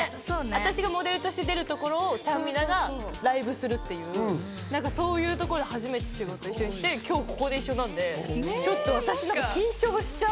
私がモデルで出るところをちゃんみながライブするっていう、そういうところで初めて仕事を一緒にして、今日ここで一緒なんで私のほうが緊張しちゃう。